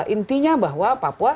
intinya bahwa papua